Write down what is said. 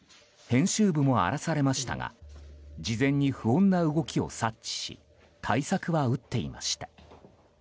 編集部も荒らされましたが事前に不穏な動きを察知し対策は打っていました。